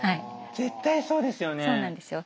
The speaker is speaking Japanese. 絶対そうですよね。